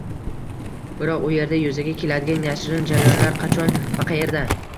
Biroq u yerda yuzaga keladigan yashirin jarayonlar qachon va qayerda